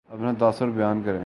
اپنا تاثر بیان کریں